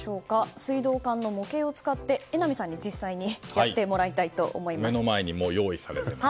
水道管の模型を使って榎並さんに実際に目の前にもう用意されています。